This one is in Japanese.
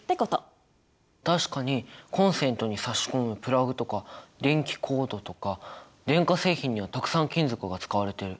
確かにコンセントに差し込むプラグとか電気コードとか電化製品にはたくさん金属が使われてる！